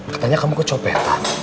katanya kamu kecopetan